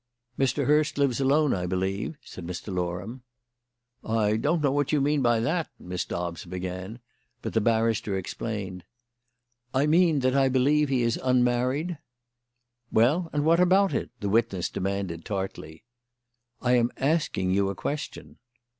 "Mr. Hurst lives alone, I believe?" said Mr. Loram. "I don't know what you mean by that," Miss Dobbs began; but the barrister explained: "I mean that I believe he is unmarried?" "Well, and what about it?" the witness demanded tartly. "I am asking you a question."